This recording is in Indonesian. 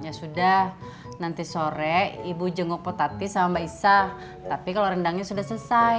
ya sudah nanti sore ibu jenguk potati sama mbak isa tapi kalau rendangnya sudah selesai